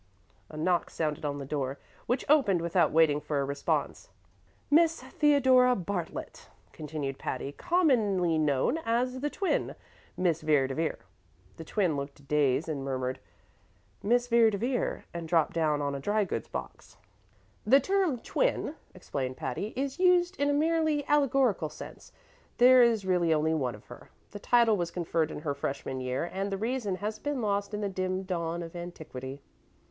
A knock sounded on the door, which opened without waiting for a response. "Miss Theodora Bartlet," continued Patty, "commonly known as the Twin, Miss Vere de Vere." The Twin looked dazed, murmured, "Miss Vere de Vere," and dropped down on a dry goods box. "The term 'Twin,'" explained Patty, "is used in a merely allegorical sense. There is really only one of her. The title was conferred in her freshman year, and the reason has been lost in the dim dawn of antiquity."